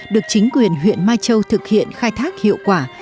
được chính quyền huyện mai châu thực hiện khai thác hiệu quả